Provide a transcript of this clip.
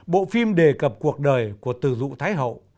bộ phim đề cập cuộc đời của từ dụ thái hậu